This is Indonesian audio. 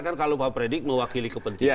karena kan kalau pak fredyk mewakili kepentingan